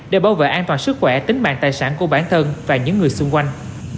để bảo vệ an toàn sức khỏe tính mạng tài sản của bản thân và những người xung quanh